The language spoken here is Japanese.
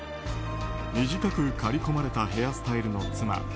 短く刈り込まれたヘアスタイルの妻